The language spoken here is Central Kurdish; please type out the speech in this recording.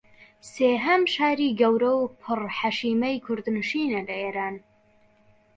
سێھەم شاری گەورە و پر حەشیمەی کوردنشینە لە ئیران